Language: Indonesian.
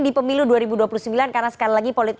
di pemilu dua ribu dua puluh sembilan karena sekali lagi politik